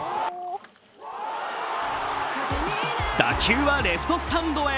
打球はレフトスタンドへ。